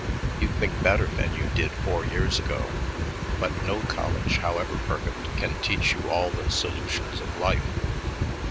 You think better than you did four years ago, but no college, however perfect, can teach you all the solutions of life.